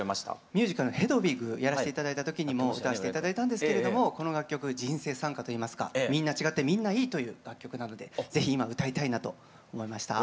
ミュージカルの「ヘドウィグ」やらせて頂いた時にも歌わせて頂いたんですけれどもこの楽曲人生賛歌といいますかみんな違ってみんないいという楽曲なので是非今歌いたいなと思いました。